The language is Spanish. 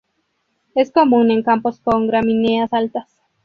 Es común en campos con gramíneas altas.